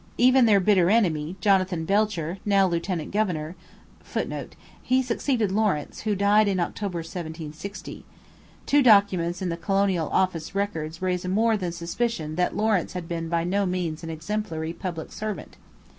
Even their bitter enemy, Jonathan Belcher, now lieutenant governor, [Footnote: He succeeded Lawrence, who died in October 1760. Two documents in the Colonial Office Records raise more than a suspicion that Lawrence had been by no means an exemplary public servant.